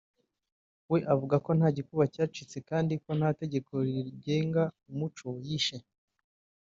we akavuga ko nta gikuba yaciye kandi ko nta tegeko rigenga umuco yishe